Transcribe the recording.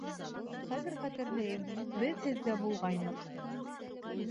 Хәҙер хәтерләйем, беҙһеҙҙә булғайныҡ